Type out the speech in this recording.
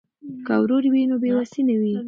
که ورور وي نو بې وسی نه وي.